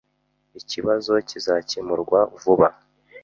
Ikibazo kizakemurwa vuba